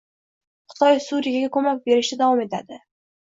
Xitoy Suriyaga ko‘mak berishda davom etading